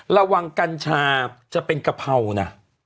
ระวังกัญชาจะเป็นกระเภานะ